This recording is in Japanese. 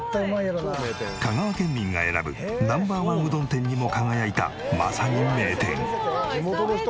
香川県民が選ぶＮｏ．１うどん店にも輝いたまさに名店。